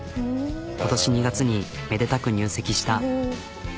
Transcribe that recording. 今年２月にめでたく入籍した。